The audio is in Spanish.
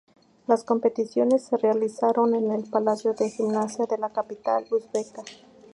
Las competiciones se realizaron en el Palacio de Gimnasia de la capital uzbeka.